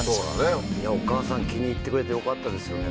お母さん気に入ってくれてよかったですよね。